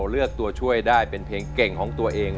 เลือกตัวช่วยได้เป็นเพลงเก่งของตัวเอง